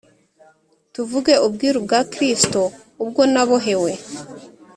tuvuge ubwiru bwa Kristo ubwo nabohewe